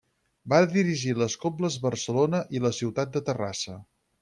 Va dirigir les cobles Barcelona i la Ciutat de Terrassa.